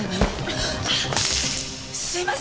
あすいません！